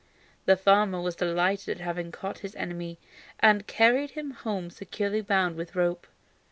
The farmer was delighted at having caught his enemy, and carried him home securely bound with rope.